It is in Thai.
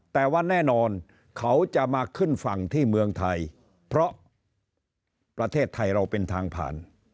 แต่ว่าแน่นอนเขาจะมาขึ้นฝั่งที่เมืองไทยเพราะประเทศไทยเราเป็นทางผ่าน